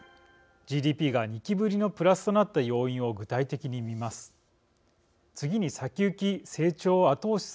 ＧＤＰが２期ぶりのプラスとなった要因を具体的に見ます。